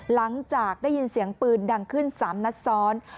หลังจากได้ยินเสียงปืนดังขึ้น๓นัดซ้อน